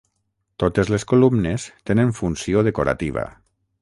Totes les columnes tenen funció decorativa.